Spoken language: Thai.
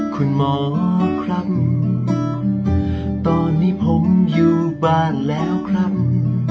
คุณหมอครับตอนนี้ผมอยู่บ้านแล้วครับ